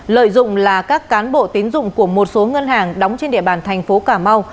lợi dụng là các cán bộ tín dụng của một số ngân hàng đóng trên địa bàn thành phố cà mau